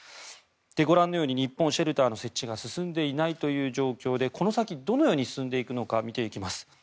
ご覧のように日本、シェルターの設置が進んでいないという状況でこの先どのように進んでいくのか見ていきます。